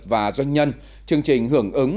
và doanh nhân chương trình hưởng ứng